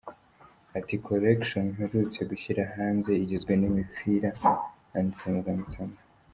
Ati” Collection mperutse gushyira hanze igizwe n’imipira yanditse amagambo atandukanye.